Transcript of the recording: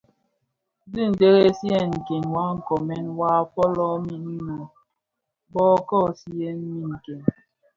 Dhi dhesi nken wa nkonen waa folomin innë bo kosigha min nken.